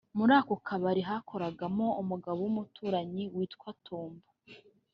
muri ako kabari hakoragamo umugabo w’umuturanyi witwaga Tumbo